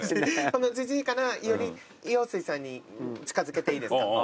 ジジイからより陽水さんに近づけていいですか？